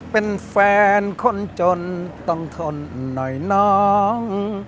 เป็นแฟนคนจนต้องทนหน่อยน้อง